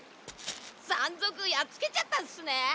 山賊やっつけちゃったんですね。